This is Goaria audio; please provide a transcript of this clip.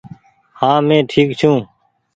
هآنٚ مينٚ ٺيڪ ڇوٚنٚ